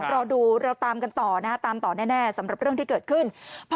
รอดูเราตามกันต่อนะฮะตามต่อแน่สำหรับเรื่องที่เกิดขึ้น